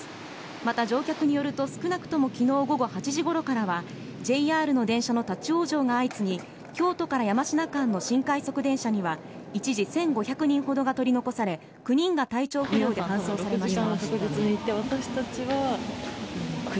また、乗客によると少なくとも昨日午後８時ごろからはＪＲの電車の立ち往生が相次ぎ京都山科間の新快速電車には一時１５００人ほどが取り残され９人が体調不良で搬送されました。